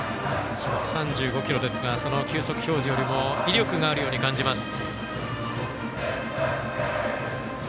１３５キロですが球速表示よりも威力があるように感じます。